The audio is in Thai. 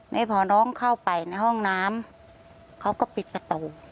นี่พอน้องเข้าไปในห้องน้ำเขาก็ปิดประตู